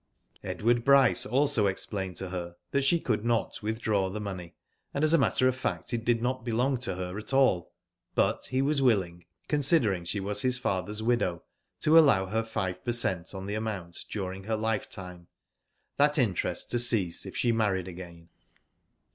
Edward Bryce also explained to her that she could not withdraw the money, and as a matter of fact it did not belong to her at all ; but he was willing, considering she was his father's widow, to allow her five per cent, on the amount during her life time, that interest to cease if she married a2:ain.